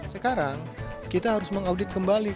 sekarang kita harus mengaudit kembali